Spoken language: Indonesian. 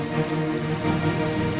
gue udah bosan disini